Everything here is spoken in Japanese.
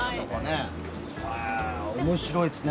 面白いですね。